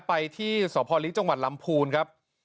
ไปที่สลิจลำพูนครับ